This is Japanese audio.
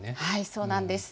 そうなんです。